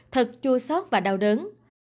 thật chua sót và đau đớn